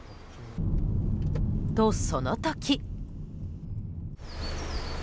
と、その時。